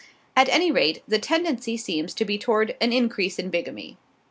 At any rate, the tendency seems to be toward an increase in bigamy.